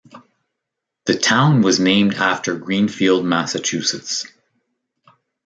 The town was named after Greenfield, Massachusetts.